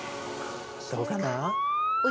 どうかな？